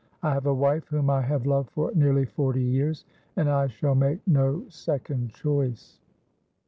I have a wife whom I have loved for nearly forty years, and I shall make no second choice."